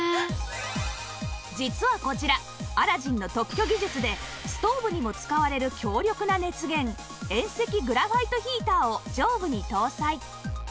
実はこちらアラジンの特許技術でストーブにも使われる強力な熱源遠赤グラファイトヒーターを上部に搭載